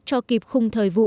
cho kịp khung thời vụ đã đề ra